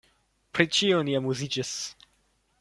Pri ĉio ni amuziĝis.